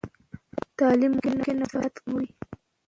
تعلیم ممکن فساد کم کړي.